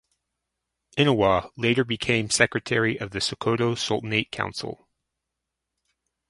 Inuwa later became Secretary of the Sokoto Sultanate Council.